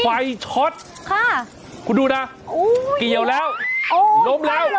ไฟช็อตค่ะคุณดูนะเกี่ยวแล้วล้มแล้ว